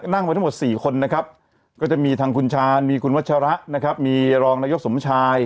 นั่งไว้ทั้งหมด๔คนนะครับก็จะมีทางคุณชาญมีคุณวัชระนะครับมีรองนายกสมชาย